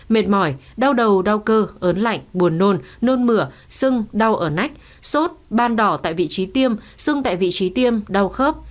mệt mỏi đau đầu đau cơ ớn lạnh buồn nôn nôn mửa sưng đau ở nách sốt ban đỏ tại vị trí tiêm sưng tại vị trí tiêm đau khớp